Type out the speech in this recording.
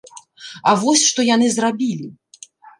А вось што яны зрабілі!